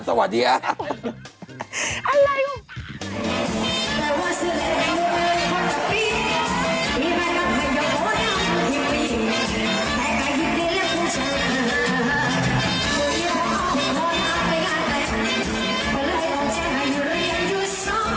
สวัสดีครับมาเจอกันใหม่พรุ่งนี้